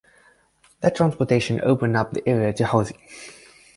That transportation opened up the area to housing.